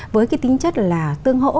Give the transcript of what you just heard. với cái tính chất là tương hỗ